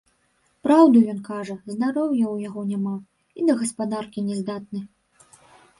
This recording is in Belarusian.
Праўду ён кажа, здароўя ў яго няма, і да гаспадаркі не здатны.